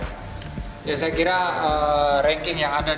ya saya kira ranking yang ada di badan saya saya kira ada di bawah